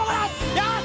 よし！